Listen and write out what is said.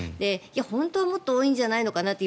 本当はもっと多いんじゃないのかなって